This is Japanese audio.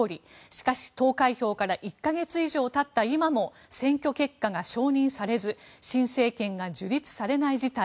しかし投開票から１か月以上経った今も選挙結果が承認されず新政権が樹立されない事態。